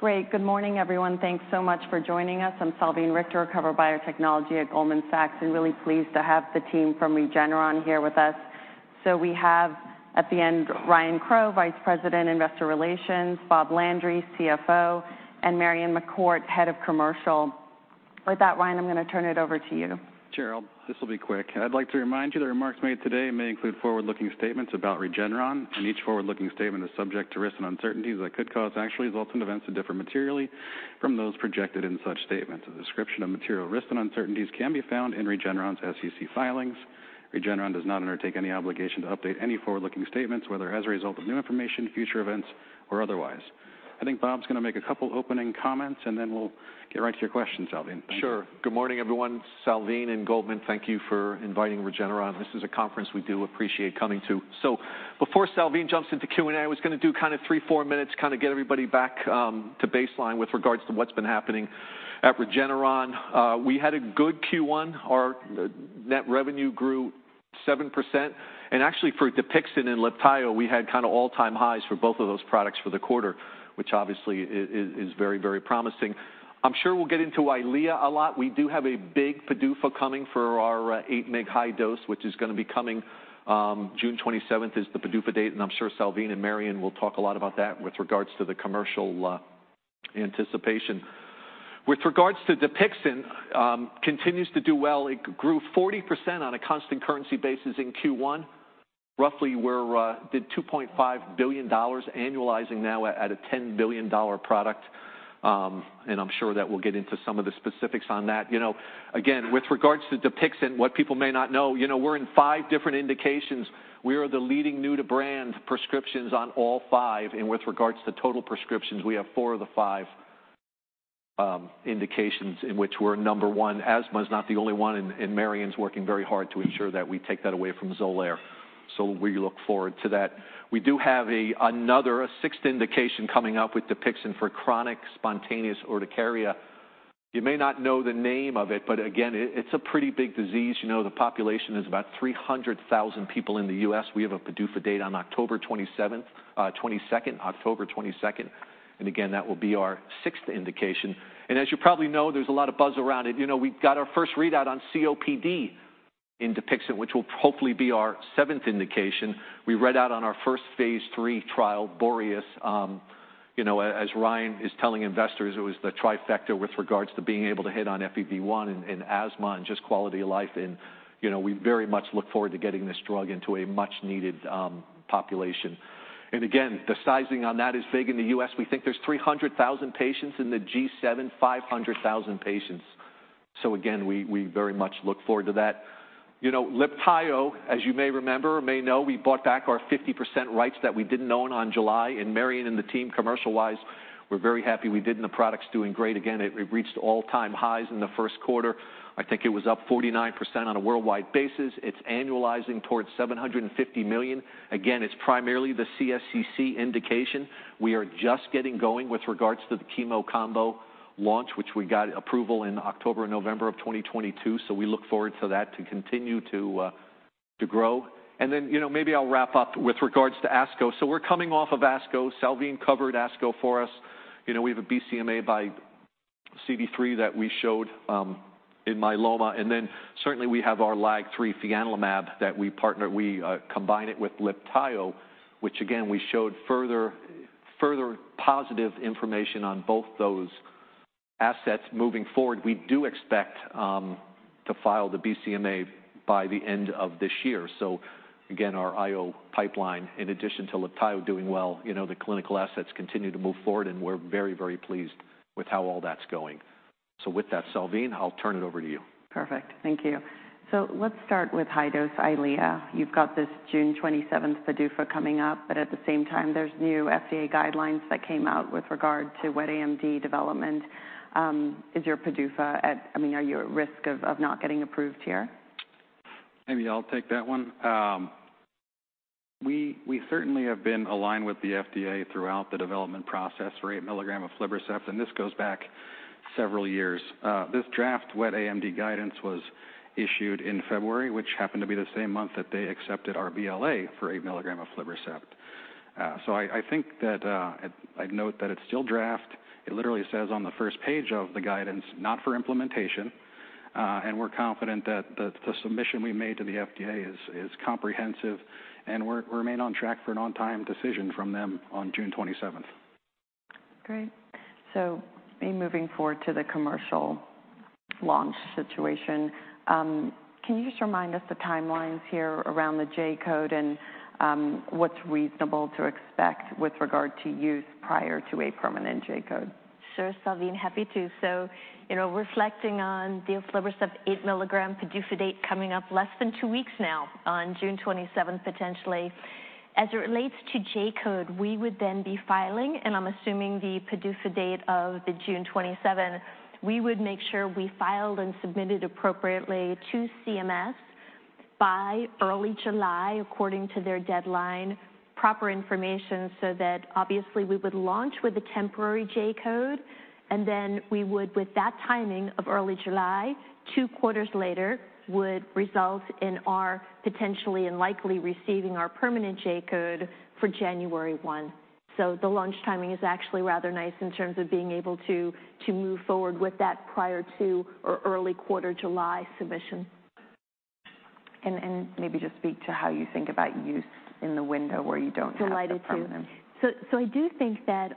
Great. Good morning, everyone. Thanks so much for joining us. I'm Salveen Richter, Cover Biotechnology at Goldman Sachs, and really pleased to have the team from Regeneron here with us. We have, at the end, Ryan Crowe, Vice President, Investor Relations, Robert Landry, CFO, and Marion McCourt, Head of Commercial. With that, Ryan, I'm gonna turn it over to you. Sure. This will be quick. I'd like to remind you that remarks made today may include forward-looking statements about Regeneron. Each forward-looking statement is subject to risks and uncertainties that could cause actual results and events to differ materially from those projected in such statements. A description of material risks and uncertainties can be found in Regeneron's SEC filings. Regeneron does not undertake any obligation to update any forward-looking statements, whether as a result of new information, future events, or otherwise. I think Bob's gonna make a couple opening comments. Then we'll get right to your questions, Salveen. Sure. Good morning, everyone. Salveen and Goldman Sachs, thank you for inviting Regeneron. This is a conference we do appreciate coming to. Before Salveen jumps into Q&A, I was gonna do kind of three, four minutes, kind of get everybody back to baseline with regards to what's been happening at Regeneron. We had a good Q1. Our net revenue grew 7%, and actually, for DUPIXENT and LIBTAYO, we had kind of all-time highs for both of those products for the quarter, which obviously is very, very promising. I'm sure we'll get into EYLEA a lot. We do have a big PDUFA coming for our eight mg high dose, which is gonna be coming, June 27th is the PDUFA date, and I'm sure Salveen and Marion will talk a lot about that with regards to the commercial anticipation. With regards to DUPIXENT, continues to do well. It grew 40% on a constant currency basis in Q1. Roughly, we're did $2.5 billion, annualizing now at a $10 billion product. I'm sure that we'll get into some of the specifics on that. You know, again, with regards to DUPIXENT, what people may not know, you know, we're in five different indications. We are the leading new-to-brand prescriptions on all five, and with regards to total prescriptions, we have four of the five indications in which we're number one. Asthma is not the only one, and Marion's working very hard to ensure that we take that away from Xolair. We look forward to that. We do have another, a sixth indication coming up with DUPIXENT for chronic spontaneous urticaria. Again, it's a pretty big disease. You know, the population is about 300,000 people in the U.S. We have a PDUFA date on October 22nd. Again, that will be our 6th indication. As you probably know, there's a lot of buzz around it. You know, we've got our first readout on COPD in DUPIXENT, which will hopefully be our 7th indication. We read out on our first phase III trial, BOREAS. You know, as Ryan is telling investors, it was the trifecta with regards to being able to hit on FEV1 in asthma and just quality of life and, you know, we very much look forward to getting this drug into a much-needed population. Again, the sizing on that is big. In the U.S., we think there's 300,000 patients in the G7, 500,000 patients. We very much look forward to that. You know, LIBTAYO, as you may remember or may know, we bought back our 50% rights that we didn't own on July, and Marion McCourt and the team, commercial-wise, we're very happy we did, and the product's doing great. Again, we've reached all-time highs in the Q1. I think it was up 49% on a worldwide basis. It's annualizing towards $750 million. Again, it's primarily the CSCC indication. We are just getting going with regards to the chemo combo launch, which we got approval in October, November of 2022. We look forward to that to continue to grow. You know, maybe I'll wrap up with regards to ASCO. We're coming off of ASCO. Salveen covered ASCO for us. You know, we have a BCMA by CD3 that we showed in myeloma, and then certainly we have our LAG-3 fianlimab that we combine it with LIBTAYO, which again, we showed further positive information on both those assets. Moving forward, we do expect to file the BCMA by the end of this year. Again, our IO pipeline, in addition to LIBTAYO doing well, you know, the clinical assets continue to move forward, and we're very, very pleased with how all that's going. With that, Salveen, I'll turn it over to you. Perfect. Thank you. Let's start with high-dose EYLEA. You've got this June 27th PDUFA coming up, at the same time, there's new FDA guidelines that came out with regard to wet AMD development. Is your PDUFA, I mean, are you at risk of not getting approved here? Maybe I'll take that one. We certainly have been aligned with the FDA throughout the development process for eight milligram of aflibercept. This goes back several years. This draft wet AMD guidance was issued in February, which happened to be the same month that they accepted our BLA for eight milligram of aflibercept. I think that I'd note that it's still draft. It literally says on the first page of the guidance, "Not for implementation," and we're confident that the submission we made to the FDA is comprehensive, and we remain on track for an on-time decision from them on June 27th. Great. Me moving forward to the commercial launch situation, can you just remind us the timelines here around the J-code and what's reasonable to expect with regard to use prior to a permanent J-code? Sure, Salveen. Happy to. You know, reflecting on the aflibercept eight milligram PDUFA date coming up less than two weeks now, on June 27th, potentially. As it relates to J-code, we would then be filing, and I'm assuming the PDUFA date of the June 27, we would make sure we filed and submitted appropriately to CMS. ... by early July, according to their deadline, proper information, so that obviously we would launch with a temporary J-code, and then we would, with that timing of early July, Q2 later, would result in our potentially and likely receiving our permanent J-code for January 1. The launch timing is actually rather nice in terms of being able to move forward with that prior to or early quarter July submission. And maybe just speak to how you think about use in the window where you don't have the problem. Delighted to. I do think that,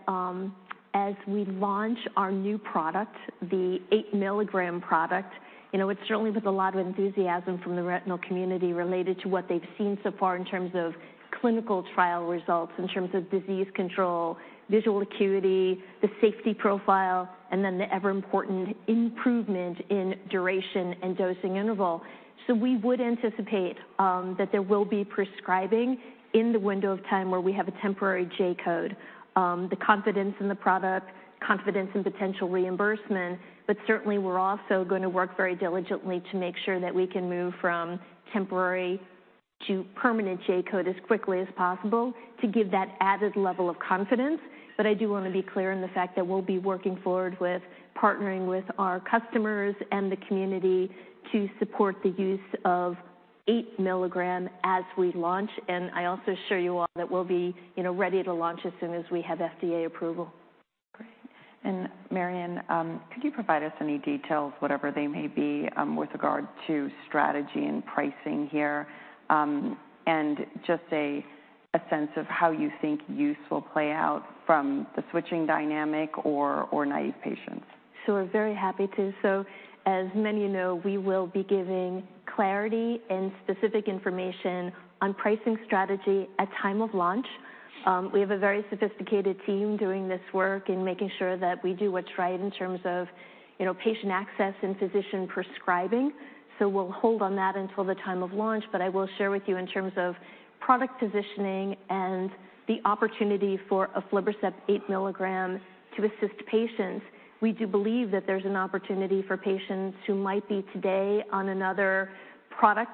as we launch our new product, the 8-milligram product, you know, it's certainly with a lot of enthusiasm from the retinal community related to what they've seen so far in terms of clinical trial results, in terms of disease control, visual acuity, the safety profile, and then the ever-important improvement in duration and dosing interval. We would anticipate that there will be prescribing in the window of time where we have a temporary J-code. The confidence in the product, confidence in potential reimbursement, certainly we're also going to work very diligently to make sure that we can move from temporary to permanent J-code as quickly as possible to give that added level of confidence. I do want to be clear in the fact that we'll be working forward with partnering with our customers and the community to support the use of eight milligram as we launch. I also assure you all that we'll be, you know, ready to launch as soon as we have FDA approval. Great. Marion, could you provide us any details, whatever they may be, with regard to strategy and pricing here? Just a sense of how you think use will play out from the switching dynamic or naive patients. We're very happy to. As many of you know, we will be giving clarity and specific information on pricing strategy at time of launch. We have a very sophisticated team doing this work and making sure that we do what's right in terms of, you know, patient access and physician prescribing. We'll hold on that until the time of launch, but I will share with you in terms of product positioning and the opportunity for aflibercept eight milligram to assist patients. We do believe that there's an opportunity for patients who might be today on another product,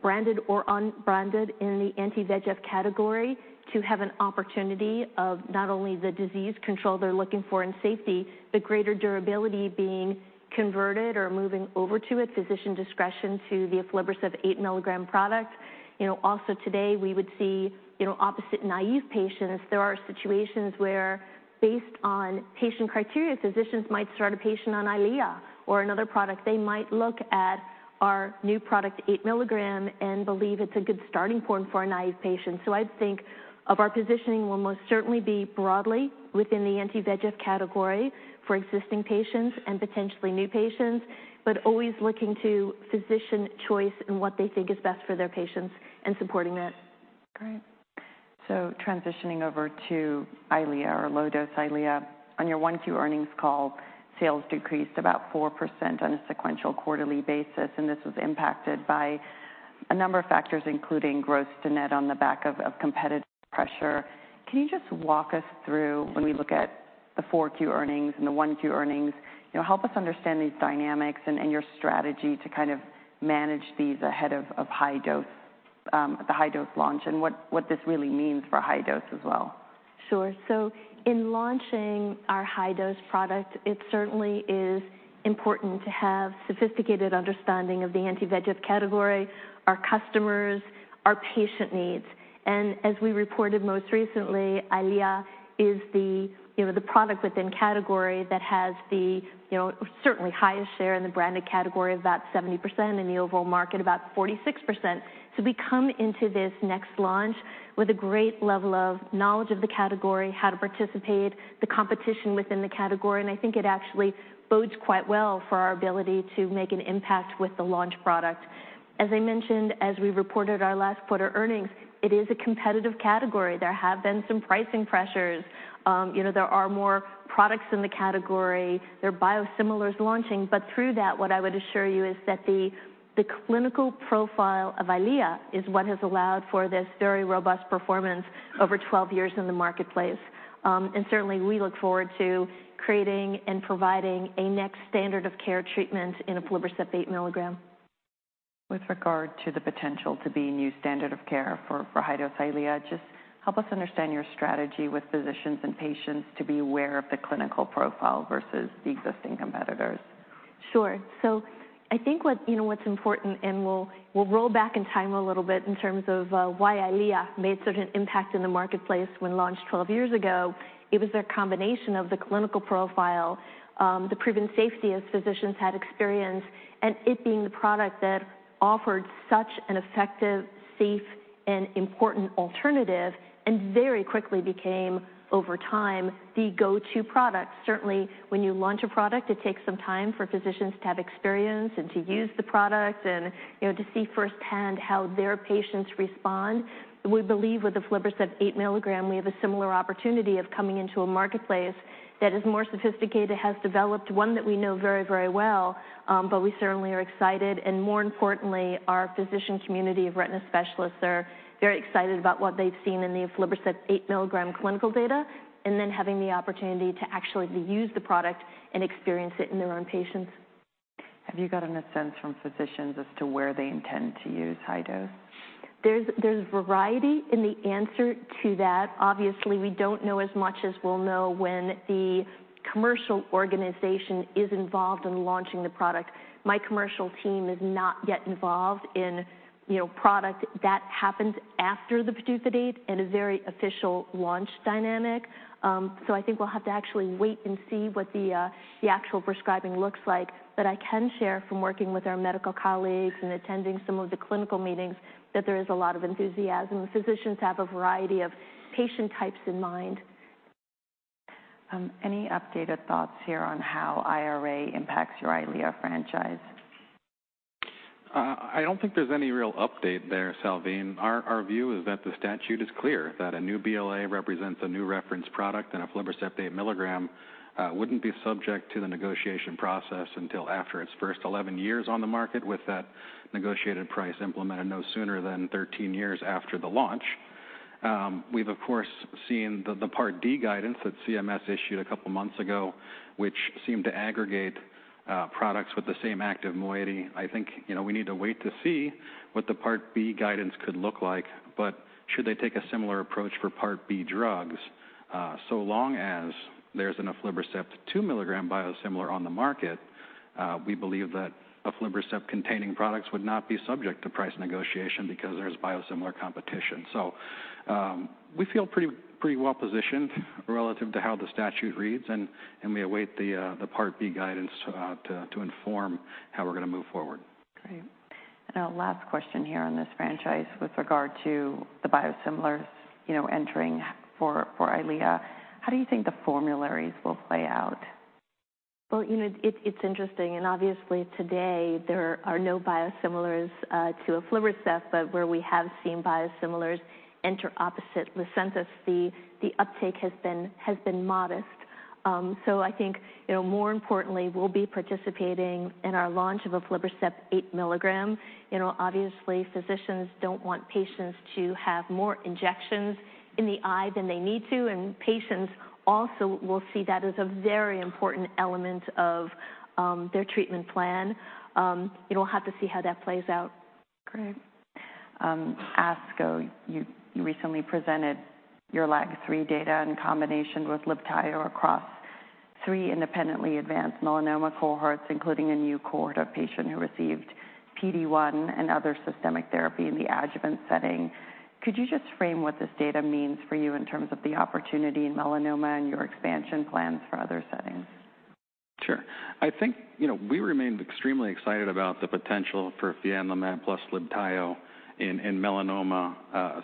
branded or unbranded, in the anti-VEGF category, to have an opportunity of not only the disease control they're looking for and safety, but greater durability being converted or moving over to, at physician discretion, to the aflibercept eight milligram product. You know, also today, we would see, you know, opposite naive patients, there are situations where, based on patient criteria, physicians might start a patient on Eylea or another product. They might look at our new product, eight milligram, and believe it's a good starting point for a naive patient. I think of our positioning will most certainly be broadly within the anti-VEGF category for existing patients and potentially new patients, but always looking to physician choice and what they think is best for their patients, and supporting that. Great. Transitioning over to Eylea or low-dose Eylea, on your 1Q earnings call, sales decreased about 4% on a sequential quarterly basis, and this was impacted by a number of factors, including gross to net on the back of competitive pressure. Can you just walk us through when we look at the 4Q earnings and the 1Q earnings? You know, help us understand these dynamics and your strategy to kind of manage these ahead of high dose, the high dose launch, and what this really means for high dose as well. Sure. In launching our high dose product, it certainly is important to have sophisticated understanding of the anti-VEGF category, our customers, our patient needs. As we reported most recently, Eylea is the, you know, the product within category that has the, you know, certainly highest share in the branded category, about 70%, in the overall market, about 46%. We come into this next launch with a great level of knowledge of the category, how to participate, the competition within the category, and I think it actually bodes quite well for our ability to make an impact with the launch product. As I mentioned, as we reported our last quarter earnings, it is a competitive category. There have been some pricing pressures. You know, there are more products in the category. There are biosimilars launching, but through that, what I would assure you is that the clinical profile of Eylea is what has allowed for this very robust performance over 12 years in the marketplace. Certainly, we look forward to creating and providing a next standard of care treatment in aflibercept eight milligram. With regard to the potential to be a new standard of care for high-dose EYLEA, just help us understand your strategy with physicians and patients to be aware of the clinical profile versus the existing competitors? Sure. I think what, you know, what's important, and we'll roll back in time a little bit in terms of why Eylea made such an impact in the marketplace when launched 12 years ago. It was a combination of the clinical profile, the proven safety as physicians had experience, and it being the product that offered such an effective, safe, and important alternative, and very quickly became, over time, the go-to product. Certainly, when you launch a product, it takes some time for physicians to have experience and to use the product and, you know, to see firsthand how their patients respond. We believe with aflibercept eight milligram, we have a similar opportunity of coming into a marketplace that is more sophisticated, has developed one that we know very, very well, but we certainly are excited. More importantly, our physician community of retina specialists are very excited about what they've seen in the aflibercept eight milligram clinical data, and then having the opportunity to actually use the product and experience it in their own patients. Have you gotten a sense from physicians as to where they intend to use high dose? There's variety in the answer to that. Obviously, we don't know as much as we'll know when the commercial organization is involved in launching the product. My commercial team is not yet involved in, you know, product. That happens after the PDUFA date and a very official launch dynamic. I think we'll have to actually wait and see what the actual prescribing looks like. I can share from working with our medical colleagues and attending some of the clinical meetings, that there is a lot of enthusiasm. Physicians have a variety of patient types in mind. Any updated thoughts here on how IRA impacts your EYLEA franchise? I don't think there's any real update there, Salveen. Our view is that the statute is clear, that a new BLA represents a new reference product, and aflibercept eight milligram wouldn't be subject to the negotiation process until after its first 11 years on the market, with that negotiated price implemented no sooner than 13 years after the launch. We've of course, seen the Part D guidance that CMS issued a couple of months ago, which seemed to aggregate products with the same active moiety. I think, you know, we need to wait to see what the Part B guidance could look like. Should they take a similar approach for Part B drugs, so long as there's an aflibercept two milligram biosimilar on the market, we believe that aflibercept-containing products would not be subject to price negotiation because there's biosimilar competition. We feel pretty well-positioned relative to how the statute reads, and we await the Part B guidance to inform how we're going to move forward. Great. Our last question here on this franchise with regard to the biosimilars, you know, entering for EYLEA. How do you think the formularies will play out? Well, you know, it's interesting, and obviously, today there are no biosimilars to aflibercept, but where we have seen biosimilars enter opposite Lucentis, the uptake has been modest. I think, you know, more importantly, we'll be participating in our launch of aflibercept eight milligram. You know, obviously, physicians don't want patients to have more injections in the eye than they need to, and patients also will see that as a very important element of their treatment plan. You know, we'll have to see how that plays out. Great. ASCO, you recently presented your LAG-3 data in combination with LIBTAYO across three independently advanced melanoma cohorts, including a new cohort of patient who received PD-1 and other systemic therapy in the adjuvant setting. Could you just frame what this data means for you in terms of the opportunity in melanoma and your expansion plans for other settings? Sure. I think, you know, we remained extremely excited about the potential for fianlimab plus LIBTAYO in melanoma,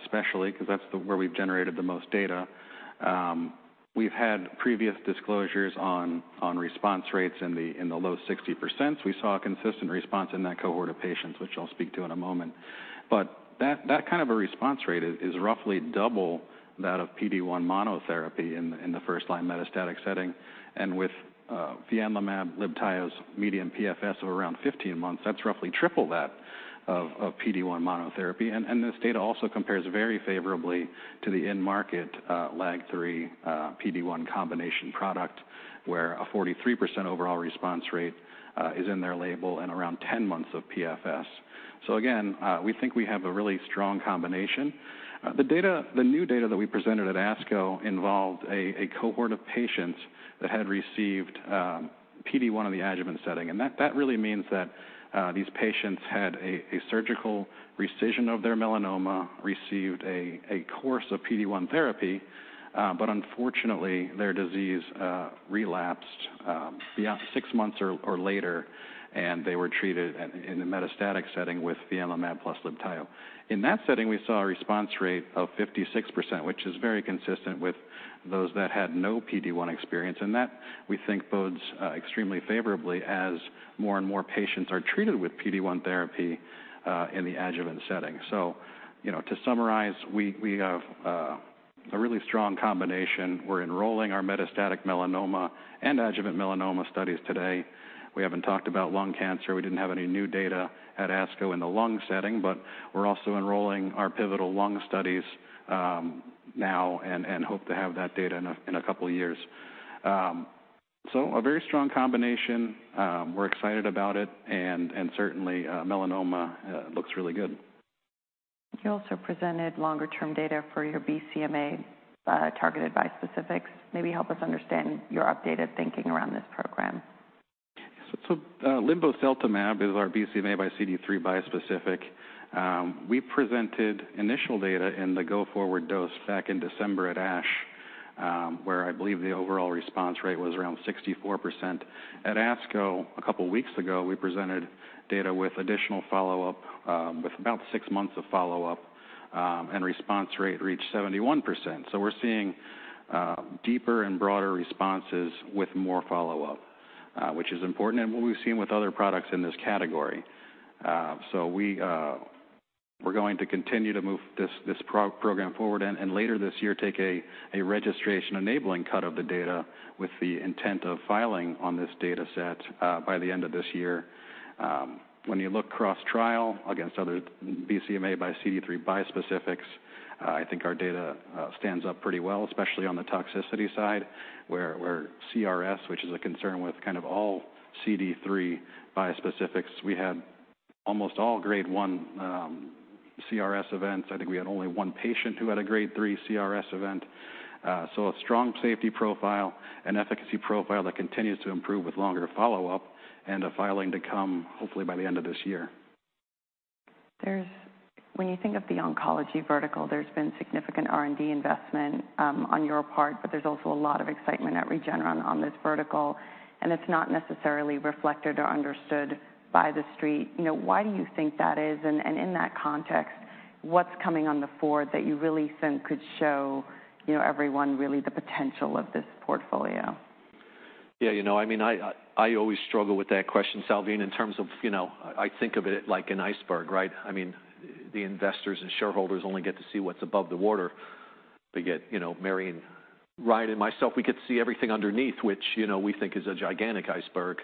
especially because that's the where we've generated the most data. We've had previous disclosures on response rates in the, in the low 60%. We saw a consistent response in that cohort of patients, which I'll speak to in a moment. That, that kind of a response rate is roughly double that of PD-1 monotherapy in the, in the first line metastatic setting. With, fianlimab, LIBTAYO's median PFS of around 15 months, that's roughly triple that of PD-1 monotherapy. This data also compares very favorably to the end market, LAG-3, PD-1 combination product, where a 43% overall response rate, is in their label and around 10 months of PFS. Again, we think we have a really strong combination. The data, the new data that we presented at ASCO involved a cohort of patients that had received PD-1 in the adjuvant setting. That really means that these patients had a surgical incision of their melanoma, received a course of PD-1 therapy, but unfortunately, their disease relapsed beyond six months or later, and they were treated in a metastatic setting with fianlimab plus LIBTAYO. In that setting, we saw a response rate of 56%, which is very consistent with those that had no PD-1 experience, and that we think bodes extremely favorably as more and more patients are treated with PD-1 therapy in the adjuvant setting. You know, to summarize, we have a really strong combination. We're enrolling our metastatic melanoma and adjuvant melanoma studies today. We haven't talked about lung cancer. We didn't have any new data at ASCO in the lung setting. We're also enrolling our pivotal lung studies, now and hope to have that data in two years. A very strong combination. We're excited about it, and certainly, melanoma, looks really good. You also presented longer-term data for your BCMA targeted bispecifics. Maybe help us understand your updated thinking around this program. Linvoseltamab is our BCMA by CD3 bispecific. We presented initial data in the go-forward dose back in December at ASH, where I believe the overall response rate was around 64%. At ASCO, a couple of weeks ago, we presented data with additional follow-up, with about six months of follow-up, and response rate reached 71%. We're seeing deeper and broader responses with more follow-up, which is important and what we've seen with other products in this category. We're going to continue to move this program forward, later this year, take a registration-enabling cut of the data with the intent of filing on this data set by the end of this year. When you look cross-trial against other BCMA by CD3 bispecifics. I think our data stands up pretty well, especially on the toxicity side, where CRS, which is a concern with kind of all CD3 bispecifics, we had almost all grade one CRS events. I think we had only one patient who had a grade three CRS event. A strong safety profile, an efficacy profile that continues to improve with longer follow-up, and a filing to come, hopefully by the end of this year. When you think of the oncology vertical, there's been significant R&D investment on your part, but there's also a lot of excitement at Regeneron on this vertical, and it's not necessarily reflected or understood by the street. You know, why do you think that is, and in that context, what's coming on the forward that you really think could show, you know, everyone really the potential of this portfolio? Yeah, you know, I mean, I always struggle with that question, Salveen, in terms of, you know, I think of it like an iceberg, right? I mean, the investors and shareholders only get to see what's above the water, but yet, you know, Marion and Ryan, and myself, we could see everything underneath, which, you know, we think is a gigantic iceberg.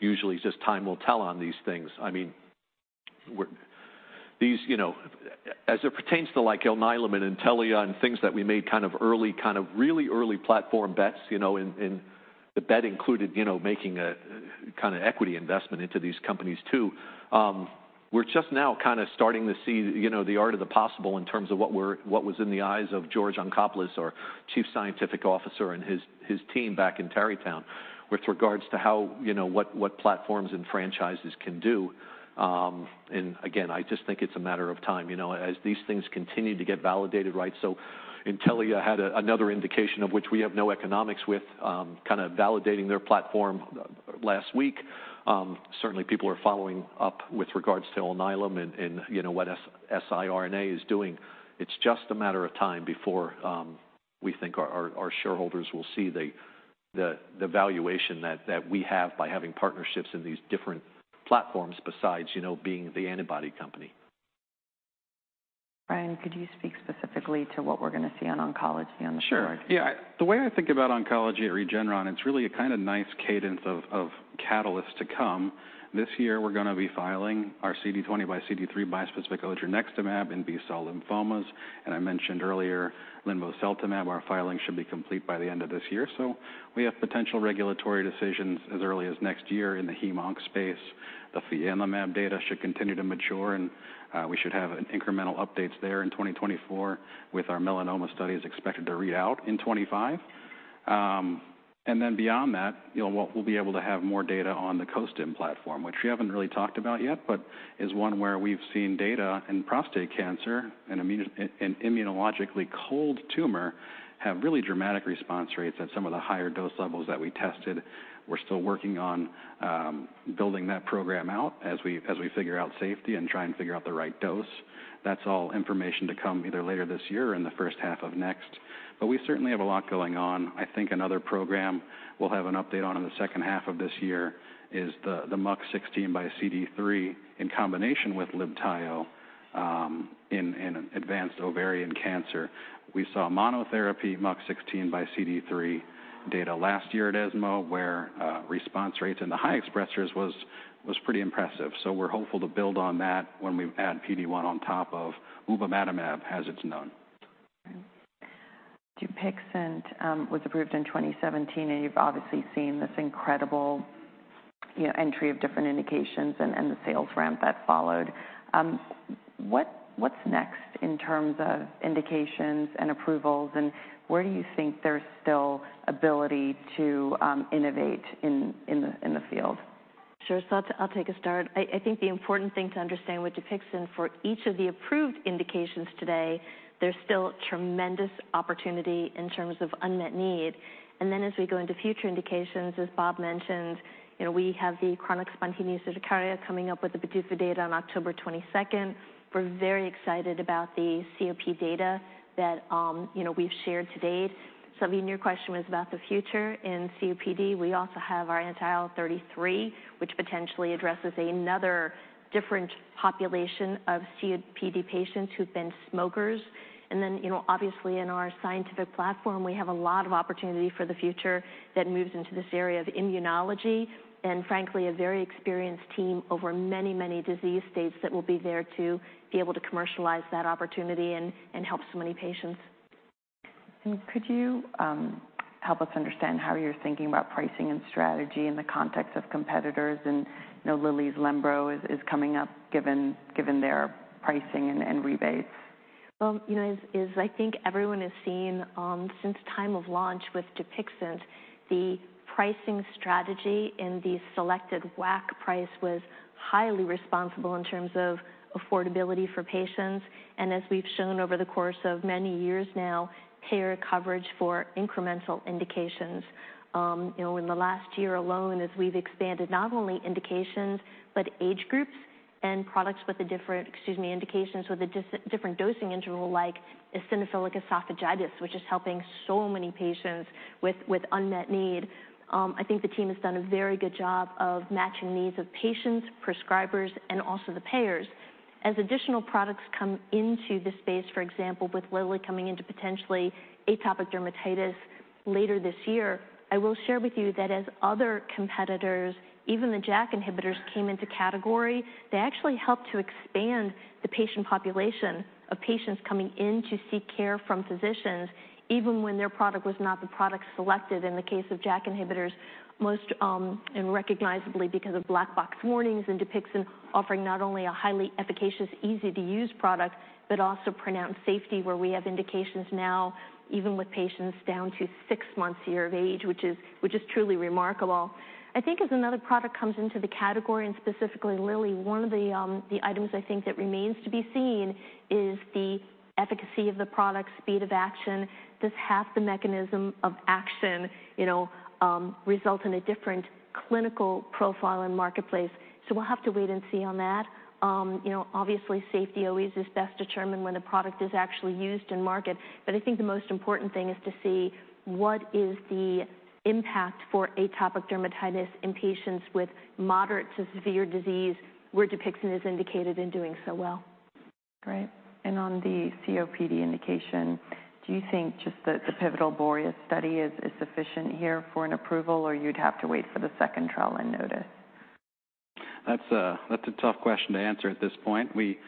Usually, it's just time will tell on these things. I mean, we're. These, you know, as it pertains to, like, Alnylam and Intellia, and things that we made kind of early, really early platform bets, you know, and the bet included, you know, making a kinda equity investment into these companies, too. We're just now kinda starting to see, you know, the art of the possible in terms of what was in the eyes of George Yancopoulos, our Chief Scientific Officer, and his team back in Tarrytown, with regards to how, you know, what platforms and franchises can do. I just think it's a matter of time, you know, as these things continue to get validated, right? Intellia had another indication of which we have no economics with, kinda validating their platform last week. Certainly, people are following up with regards to Alnylam and, you know, what siRNA is doing. It's just a matter of time before we think our shareholders will see the valuation that we have by having partnerships in these different platforms besides, you know, being the antibody company. Ryan, could you speak specifically to what we're gonna see on oncology on the forward? Sure. Yeah. The way I think about oncology at Regeneron, it's really a kinda nice cadence of catalysts to come. This year, we're gonna be filing our CD20 by CD3 bispecific Odronextamab in B-cell lymphomas, and I mentioned earlier, Linvoseltamab, our filing should be complete by the end of this year. We have potential regulatory decisions as early as next year in the hemonc space. The fianlimab data should continue to mature, and we should have incremental updates there in 2024, with our melanoma studies expected to read out in 2025. Beyond that, you know, we'll be able to have more data on the costim platform, which we haven't really talked about yet, but is one where we've seen data in prostate cancer, an immunologically cold tumor, have really dramatic response rates at some of the higher dose levels that we tested. We're still working on building that program out as we figure out safety and try and figure out the right dose. That's all information to come, either later this year or in the first half of next, but we certainly have a lot going on. I think another program we'll have an update on in the second half of this year is the MUC16 by CD3 in combination with LIBTAYO in advanced ovarian cancer. We saw monotherapy MUC16 by CD3 data last year at ESMO, where, response rates in the high expressors was pretty impressive. We're hopeful to build on that when we add PD-1 on top of Obimadimab, as it's known. Okay. Dupixent was approved in 2017, and you've obviously seen this incredible, you know, entry of different indications and the sales ramp that followed. What's next in terms of indications and approvals, and where do you think there's still ability to innovate in the field? Sure, I'll take a start. I think the important thing to understand with Dupixent, for each of the approved indications today, there's still tremendous opportunity in terms of unmet need. As we go into future indications, as Bob mentioned, you know, we have the chronic spontaneous urticaria coming up with the PDUFA data on October 22nd. We're very excited about the COPD data that, you know, we've shared to date. Salveen, your question was about the future. In COPD, we also have our IL-33, which potentially addresses another different population of COPD patients who've been smokers. You know, obviously in our scientific platform, we have a lot of opportunity for the future that moves into this area of immunology, and frankly, a very experienced team over many disease states that will be there to be able to commercialize that opportunity and help so many patients. Could you help us understand how you're thinking about pricing and strategy in the context of competitors? I know Lilly's LIBTAYO is coming up, given their pricing and rebates. Well, you know, as I think everyone has seen, since time of launch with Dupixent, the pricing strategy in the selected WAC price was highly responsible in terms of affordability for patients, and as we've shown over the course of many years now, payer coverage for incremental indications. You know, in the last year alone, as we've expanded not only indications but age groups and products with the different... Excuse me, indications with a different dosing interval, like eosinophilic esophagitis, which is helping so many patients with unmet need. I think the team has done a very good job of matching needs of patients, prescribers, and also the payers. as additional products come into the space, for example, with Lilly coming into potentially atopic dermatitis later this year, I will share with you that as other competitors, even the JAK inhibitors, came into category, they actually helped to expand the patient population of patients coming in to seek care from physicians, even when their product was not the product selected. In the case of JAK inhibitors, most, and recognizably, because of black box warnings and DUPIXENT offering not only a highly efficacious, easy-to-use product, but also pronounced safety, where we have indications now even with patients down to six months year of age, which is truly remarkable. I think as another product comes into the category, and specifically Lilly, one of the items I think that remains to be seen is the efficacy of the product, speed of action. Does half the mechanism of action, you know, result in a different clinical profile and marketplace? We'll have to wait and see on that. You know, obviously, safety always is best determined when a product is actually used in market, but I think the most important thing is to see what is the impact for atopic dermatitis in patients with moderate to severe disease, where Dupixent is indicated in doing so well. On the COPD indication, do you think just that the pivotal BOREAS study is sufficient here for an approval, or you'd have to wait for the second trial in NOTUS? That's a tough question to answer at this point. We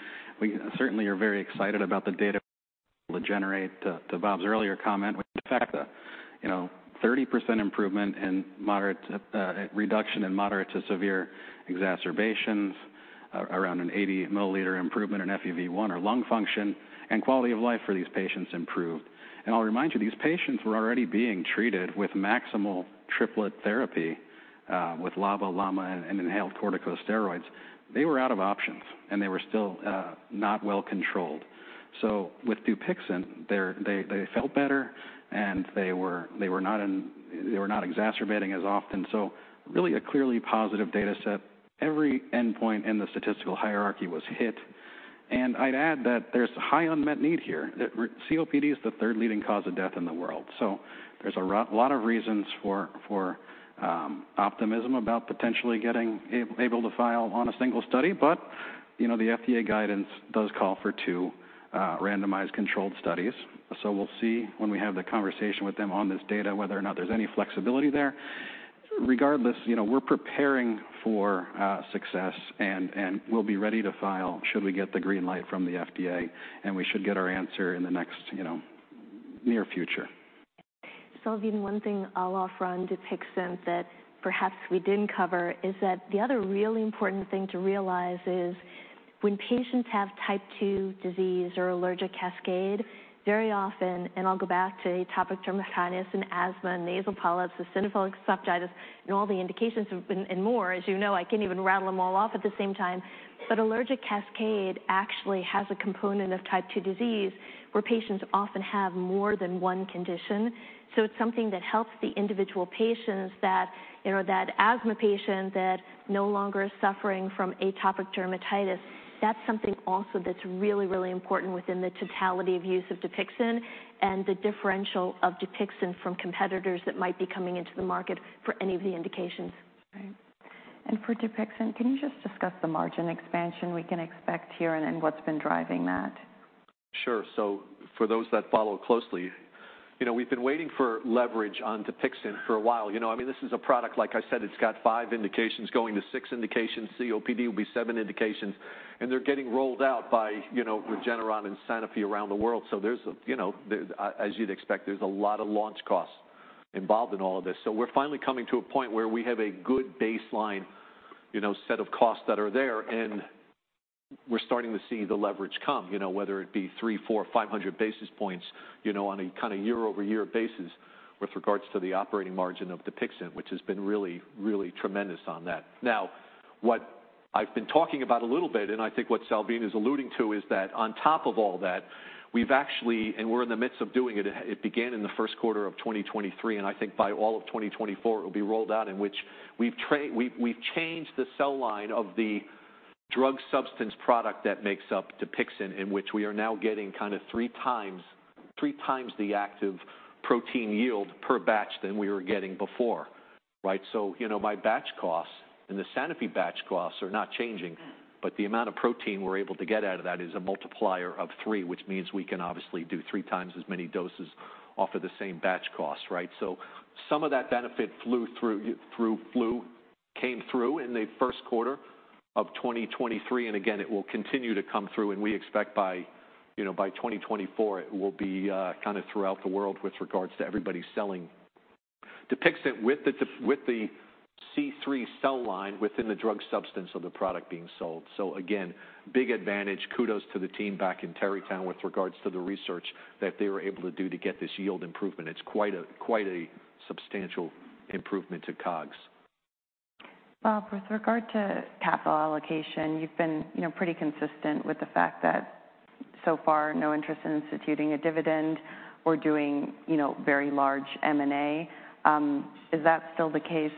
certainly are very excited about the data to generate, to Bob's earlier comment, which in fact that, you know, 30% improvement in moderate reduction in moderate to severe exacerbations, around an 80 milliliter improvement in FEV1 or lung function, and quality of life for these patients improved. I'll remind you, these patients were already being treated with maximal triplet therapy with LABA, LAMA, and inhaled corticosteroids. They were out of options, and they were still not well controlled. With Dupixent, they felt better, and they were not exacerbating as often. Really a clearly positive data set. Every endpoint in the statistical hierarchy was hit. I'd add that there's high unmet need here. That COPD is the third leading cause of death in the world. There's a lot of reasons for optimism about potentially getting able to file on a single study. You know, the FDA guidance does call for two randomized controlled studies. We'll see when we have the conversation with them on this data, whether or not there's any flexibility there. Regardless, you know, we're preparing for success and we'll be ready to file should we get the green light from the FDA, and we should get our answer in the next, you know, near future. I mean, one thing I'll offer on Dupixent that perhaps we didn't cover is that the other really important thing to realize is when patients have type two inflammation or allergic cascade, very often, and I'll go back to atopic dermatitis and asthma, nasal polyps, eosinophilic sinusitis, and all the indications and more, as you know, I can't even rattle them all off at the same time. Allergic cascade actually has a component of type two inflammation, where patients often have more than one condition. It's something that helps the individual patients that, you know, that asthma patient that no longer is suffering from atopic dermatitis. That's something also that's really, really important within the totality of use of Dupixent and the differential of Dupixent from competitors that might be coming into the market for any of the indications. For Dupixent, can you just discuss the margin expansion we can expect here and then what's been driving that? Sure. For those that follow closely, you know, we've been waiting for leverage on Dupixent for a while. You know, I mean, this is a product, like I said, it's got five indications going to six indications. COPD will be seven indications, and they're getting rolled out by, you know, Regeneron and Sanofi around the world. There's a, you know, as you'd expect, there's a lot of launch costs involved in all of this. We're finally coming to a point where we have a good baseline, you know, set of costs that are there, and we're starting to see the leverage come, you know, whether it be 300, 400, 500 basis points, you know, on a kind of year-over-year basis with regards to the operating margin of Dupixent, which has been really, really tremendous on that. What I've been talking about a little bit, and I think what Salveen is alluding to, is that on top of all that, we've actually, and we're in the midst of doing it began in the Q1 of 2023, and I think by all of 2024, it will be rolled out, in which we've changed the cell line of the drug substance product that makes up Dupixent, in which we are now getting kind of three times the active protein yield per batch than we were getting before, right? You know, my batch costs and the Sanofi batch costs are not changing, but the amount of protein we're able to get out of that is a multiplier of three, which means we can obviously do three times as many doses off of the same batch cost, right? Some of that benefit flew through, came through in the Q1 of 2023, and again, it will continue to come through, and we expect by, you know, by 2024, it will be, kind of throughout the world with regards to everybody selling Dupixent with the, with the CHO cell line within the drug substance of the product being sold. Again, big advantage. Kudos to the team back in Tarrytown with regards to the research that they were able to do to get this yield improvement. It's quite a substantial improvement to COGS. Bob, with regard to capital allocation, you've been, you know, pretty consistent with the fact that so far, no interest in instituting a dividend or doing, you know, very large M&A. Is that still the case?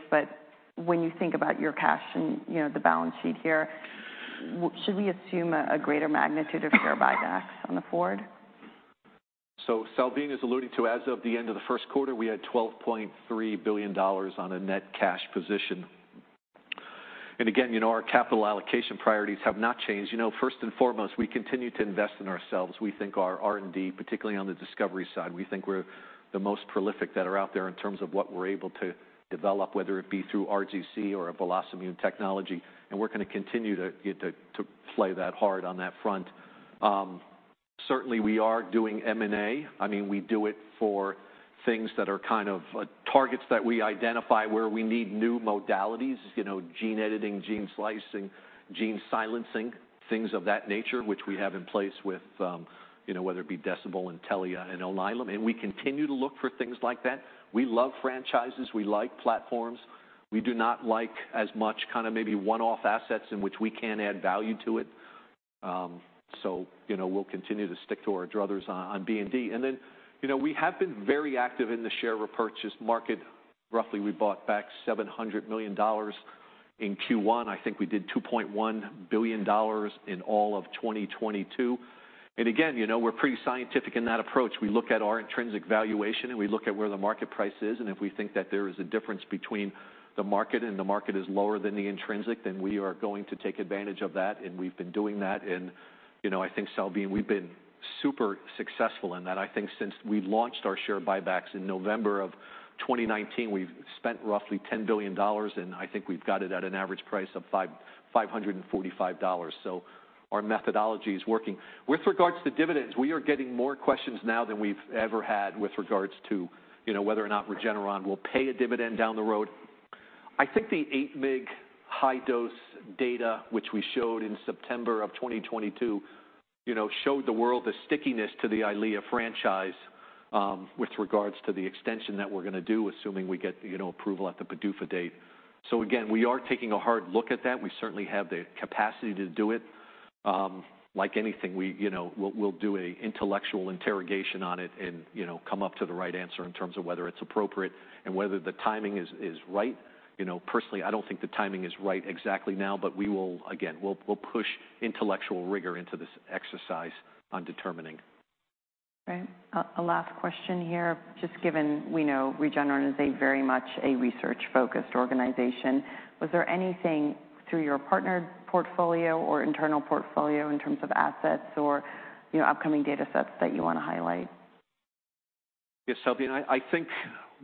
When you think about your cash and, you know, the balance sheet here, should we assume a greater magnitude of share buybacks on the forward? Salveen is alluding to, as of the end of the Q1, we had $12.3 billion on a net cash position. Again, you know, our capital allocation priorities have not changed. You know, first and foremost, we continue to invest in ourselves. We think our R&D, particularly on the discovery side, we think we're the most prolific that are out there in terms of what we're able to develop, whether it be through RGC or a VelocImmune technology, and we're gonna continue to play that hard on that front. Certainly, we are doing M&A. I mean, we do it for things that are kind of targets that we identify where we need new modalities, you know, gene editing, gene slicing, gene silencing, things of that nature, which we have in place with, whether it be Decibel, Intellia, and Alnylam. We continue to look for things like that. We love franchises, we like platforms. We do not like as much kind of maybe one-off assets in which we can add value to it. You know, we'll continue to stick to our druthers on B&D. We have been very active in the share repurchase market. Roughly, we bought back $700 million in Q1. I think we did $2.1 billion in all of 2022. Again, you know, we're pretty scientific in that approach. We look at our intrinsic valuation, and we look at where the market price is, and if we think that there is a difference between the market, and the market is lower than the intrinsic, then we are going to take advantage of that, and we've been doing that. You know, I think, Salveen, we've been super successful in that. I think since we've launched our share buybacks in November of 2019, we've spent roughly $10 billion, and I think we've got it at an average price of $545. Our methodology is working. With regards to dividends, we are getting more questions now than we've ever had with regards to, you know, whether or not Regeneron will pay a dividend down the road. I think the eight mg high dose data, which we showed in September of 2022, you know, showed the world the stickiness to the EYLEA franchise, with regards to the extension that we're gonna do, assuming we get, you know, approval at the PDUFA date. Again, we are taking a hard look at that. We certainly have the capacity to do it. Like anything, we, you know, we'll do an intellectual interrogation on it and, you know, come up to the right answer in terms of whether it's appropriate and whether the timing is right. You know, personally, I don't think the timing is right exactly now. Again, we'll push intellectual rigor into this exercise on determining. Great. A last question here, just given we know Regeneron is a very much a research-focused organization. Was there anything through your partner portfolio or internal portfolio in terms of assets or, you know, upcoming data sets that you want to highlight? Yes, Salveen, I think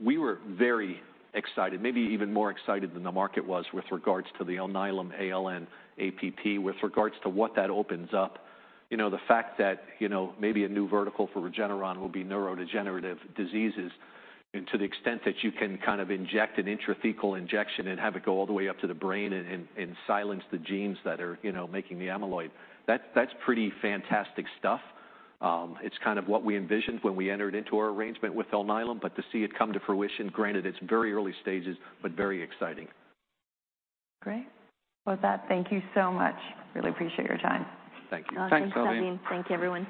we were very excited, maybe even more excited than the market was with regards to the Alnylam ALN-APP, with regards to what that opens up. You know, the fact that, you know, maybe a new vertical for Regeneron will be neurodegenerative diseases, and to the extent that you can kind of inject an intrathecal injection and have it go all the way up to the brain and silence the genes that are, you know, making the amyloid, that's pretty fantastic stuff. It's kind of what we envisioned when we entered into our arrangement with Alnylam, but to see it come to fruition, granted, it's very early stages, but very exciting. Great. With that, thank you so much. Really appreciate your time. Thank you. Thanks, Salveen. Thank you, everyone.